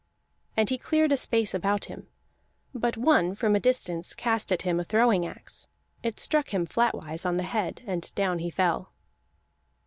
And he cleared a space about him, but one from a distance cast at him a throwing axe; it struck him flatwise on the head, and down he fell.